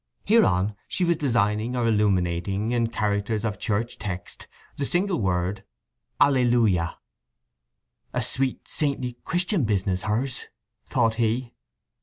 Hereon she was designing or illuminating, in characters of Church text, the single word [A L L E L U J A] "A sweet, saintly, Christian business, hers!" thought he.